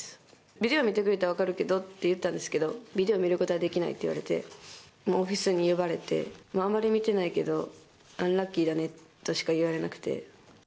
ビデオ見てくれたら分かるけどって言ったんですけど、ビデオ見ることはできないって言われて、オフィスに呼ばれて、あまり見てないけど、アンラッキーだねとしか言われなくて。